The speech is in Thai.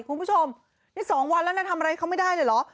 คุณผู้ชมนี่๒วันแล้วนะทำอะไรเขาไม่ได้เลยเหรอ